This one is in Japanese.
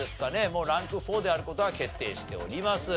もうランク４である事は決定しております。